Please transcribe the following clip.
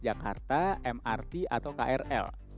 transjakarta mrt atau krl